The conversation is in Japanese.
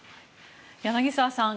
柳澤さん